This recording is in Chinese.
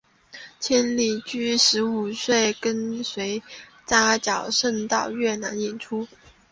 千里驹十五岁跟随扎脚胜到越南演出。